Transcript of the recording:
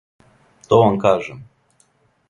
То вам кажем.